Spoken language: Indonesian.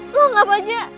lo anggap aja